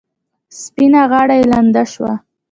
سپینه غاړه یې لنده شوه.